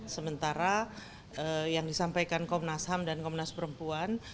sementara yang disampaikan komnas ham dan komnas perempuan